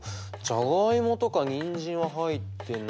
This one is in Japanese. じゃがいもとかにんじんは入ってないし。